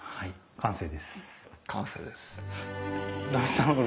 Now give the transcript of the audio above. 完成です。